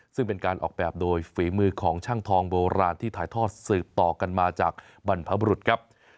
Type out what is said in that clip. ซึ่งเป็นการออกแบบโดยฝีมือของช่างทองโบราณที่ถ่ายทอดสืบต่อกันมาจากบรรพบรุษครับ